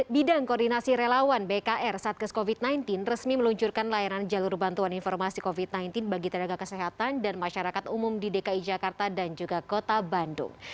bidang koordinasi relawan bkr satgas covid sembilan belas resmi meluncurkan layanan jalur bantuan informasi covid sembilan belas bagi tenaga kesehatan dan masyarakat umum di dki jakarta dan juga kota bandung